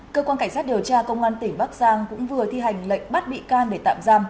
cơ quan cảnh sát điều tra công an tỉnh bắc giang cũng vừa thi hành lệnh bắt bị can để tạm giam